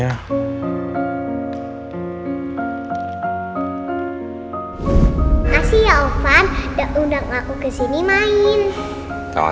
makasih ya opan udah undang aku kesini main